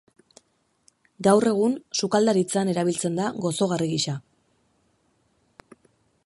Gaur egun, sukaldaritzan erabiltzen da gozagarri gisa.